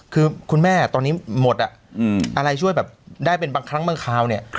คือคุณแม่ตอนนี้หมดอะไรช่วยแบบได้เป็นบางครั้งบางคราวเนี่ย